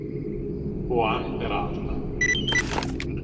Juan Peralta